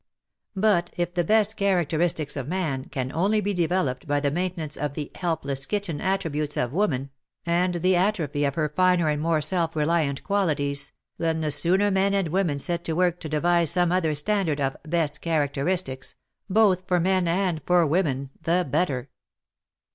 " But if the " best characteristics " of Man can only be developed by the maintenance of the " helpless kitten " attributes of Woman, and 224 WAR AND WOMEN the atrophy of her finer and more self reh'ant qualities, then the sooner men and women set to work to devise some other standard of " best characteristics," both for men and for women, the better.